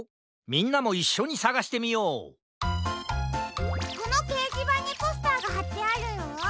みんなもいっしょにさがしてみようこのけいじばんにポスターがはってあるよ。